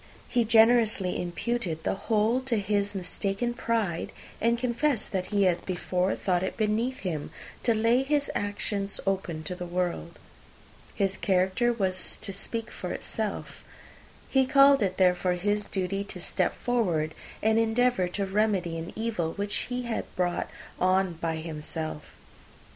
He generously imputed the whole to his mistaken pride, and confessed that he had before thought it beneath him to lay his private actions open to the world. His character was to speak for itself. He called it, therefore, his duty to step forward, and endeavour to remedy an evil which had been brought on by himself.